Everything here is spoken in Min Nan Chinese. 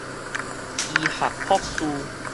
醫學博士